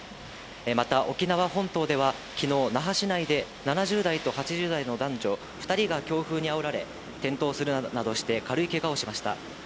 また沖縄本島では昨日、那覇市内で７０代と８０代の男女２人が強風にあおられ、転倒するなどして軽いけがをしました。